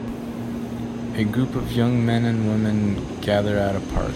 A group of young men and woman gather at a park.